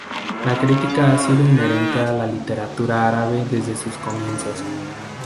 La crítica ha sido inherente a la literatura árabe desde sus comienzos.